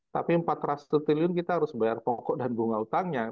tapi empat ratus triliun kita harus bayar pokok dan bunga utangnya